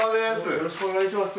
よろしくお願いします。